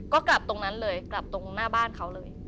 ก็กลับตรงนั้นเลยกลับตรงหน้าบ้านเขาเลย